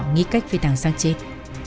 nghĩ cách phi tàng sáng chết